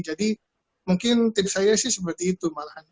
mungkin tips saya sih seperti itu malahan